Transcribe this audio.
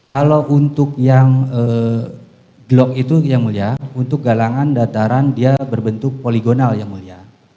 kalau untuk yang glock itu yang mulia untuk galangan dataran dia berbentuk poligonal yang mulia